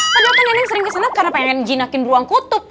padahal kan neneng sering kesenap karena pengen jinakin ruang kutub